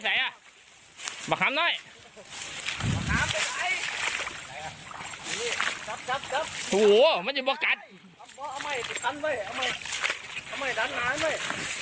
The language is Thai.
ไปแล้วไปแล้วเงียบไม่ไวอ่ะมันมันแบบกูจะไม่กล้าจับหรือยังไง